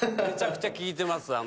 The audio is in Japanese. めちゃくちゃ聴いてます